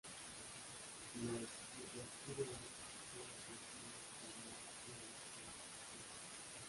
Los microtúbulos son más flexibles pero más duros que la actina.